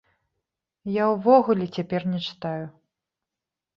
Я ўвогуле цяпер не чытаю.